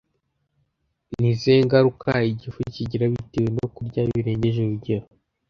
Ni izihe ngaruka igifu kigira bitewe no kurya birengeje urugero?